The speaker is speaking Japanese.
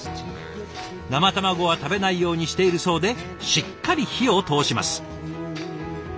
生卵は食べないようにしているそうでしっかり火を通します。